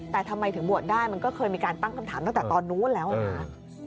แต่ทำไมถึงบวชได้มันก็เคยมีการตั้งคำถามตั้งแต่ตอนนู้นแล้วนะ